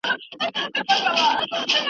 حتماً یې دا شعر هم لوستی دی .